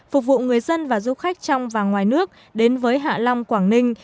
phục vụ người dân và du khách trong và ngoài nước đến với hạ long quảng ninh